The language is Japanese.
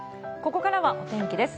ここからはお天気です。